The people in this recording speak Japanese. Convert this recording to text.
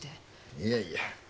いやいや。